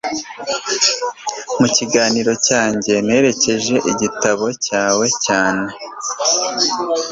Mu kiganiro cyanjye nerekeje igitabo cyawe cyane